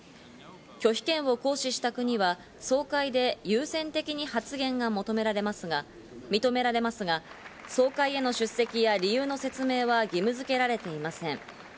拒否権を行使した国は総会で優先的に発言が認められますが、総会への出席や理由の説明は義務づけられていません。